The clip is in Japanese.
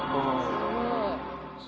すごいね。